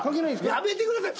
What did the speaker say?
やめてください。